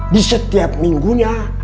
di setiap minggunya